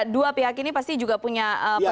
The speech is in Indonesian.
dua pihak ini pasti juga punya